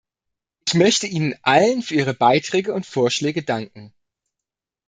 Ich möchte Ihnen allen für Ihre Beiträge und Vorschläge danken.